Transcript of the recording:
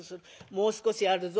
もう少しあるぞ。